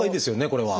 これは。